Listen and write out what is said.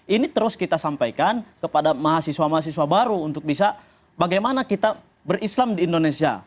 ini terus kita sampaikan kepada mahasiswa mahasiswa baru untuk bisa bagaimana kita berislam di indonesia